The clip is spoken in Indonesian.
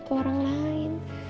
ke orang lain